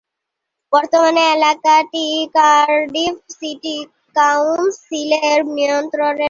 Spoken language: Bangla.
বর্তমানে এলাকাটি কার্ডিফ সিটি কাউন্সিলের নিয়ন্ত্রণে রয়েছে।